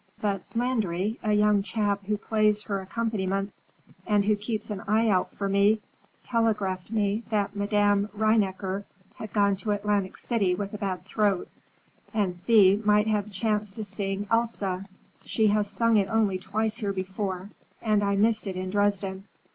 But Landry, a young chap who plays her accompaniments and who keeps an eye out for me, telegraphed me that Madame Rheinecker had gone to Atlantic City with a bad throat, and Thea might have a chance to sing Elsa. She has sung it only twice here before, and I missed it in Dresden.